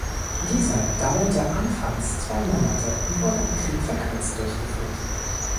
Dieser dauerte anfangs zwei Monate, und wurde im Krieg verkürzt durchgeführt.